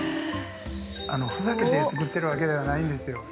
◆ふざけて作ってるわけではないんですよ。